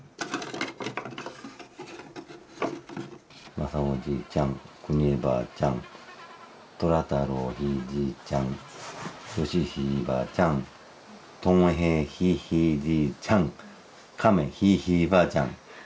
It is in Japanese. まさおじいちゃんくにえばあちゃんとらたろうひいじいちゃんよしひいばあちゃんともへいひいひいじいちゃんかめひいひいばあちゃん。